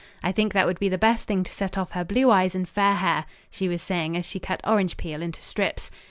I think that would be the best thing to set off her blue eyes and fair hair," she was saying as she cut orange peel into strips.